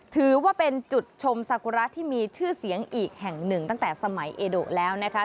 ถือว่าเป็นจุดชมสากุระที่มีชื่อเสียงอีกแห่งหนึ่งตั้งแต่สมัยเอโดแล้วนะคะ